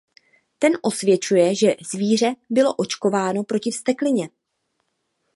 Ten osvědčuje, že zvíře bylo očkováno proti vzteklině.